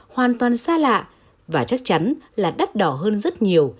hoàn toàn xa lạ và chắc chắn là đắt đỏ hơn rất nhiều